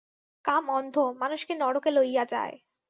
কাম অন্ধ, মানুষকে নরকে লইয়া যায়।